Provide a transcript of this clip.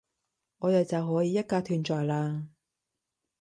我哋就可以一家團聚喇